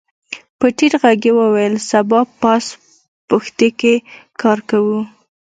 په ټيټ غږ يې وويل سبا پاس پښتې کې کار کوو.